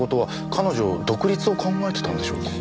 彼女独立を考えてたんでしょうか？